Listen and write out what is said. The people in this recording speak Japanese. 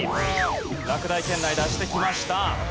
落第圏内脱してきました。